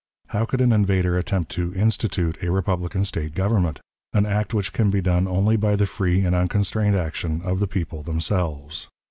How could an invader attempt to "institute" a republican State government? an act which can be done only by the free and unconstrained action of the people themselves.